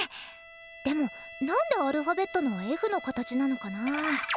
でもなんでアルファベットのｆの形なのかな？